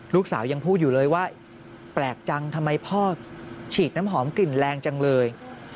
ลูกสาวยังพูดอยู่เลยว่าแปลกจังทำไมพ่อฉีดน้ำหอมกลิ่นแรงจังเลย